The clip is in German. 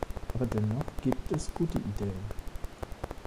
Aber dennoch gibt es gute Ideen.